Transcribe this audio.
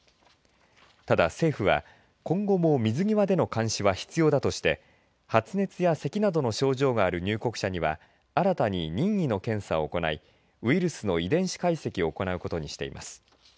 ただ政府は今後も水際での監視は必要だとして発熱やせきなどの症状がある入国者には新たに任意の検査を行いウイルスの遺伝子解析を行うことにしています。